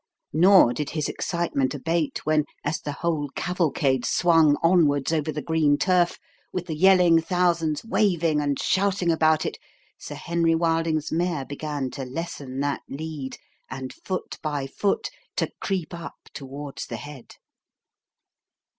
Nor did his excitement abate when, as the whole cavalcade swung onwards over the green turf with the yelling thousands waving and shouting about it, Sir Henry Wilding's mare began to lessen that lead, and foot by foot to creep up towards the head.